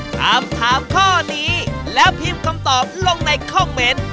ถามถามข้อนี้แล้วพิมพ์คำตอบลงในคอมเมนต์